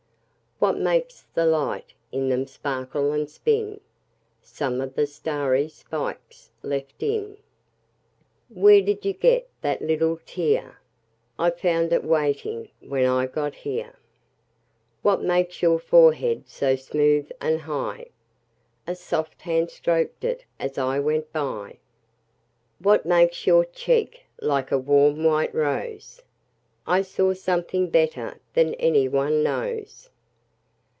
What makes the light in them sparkle and spin? Some of the starry spikes left in. Where did you get that little tear?I found it waiting when I got here. What makes your forehead so smooth and high?A soft hand strok'd it as I went by. What makes your cheek like a warm white rose?I saw something better than any one knows.